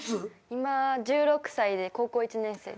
今１６歳で高校１年生です。